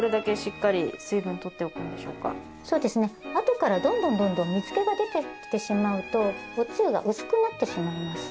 あとからどんどんどんどん水気が出てきてしまうとおつゆが薄くなってしまいます。